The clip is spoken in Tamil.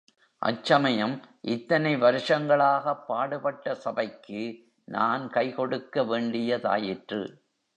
அச்சமயம் இத்தனை வருஷங்களாகப் பாடுபட்ட சபைக்கு நான் கைகொடுக்க வேண்டிய தாயிற்று.